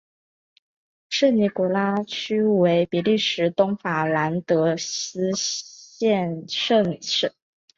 圣尼古拉区为比利时东法兰德斯省辖下的一个区。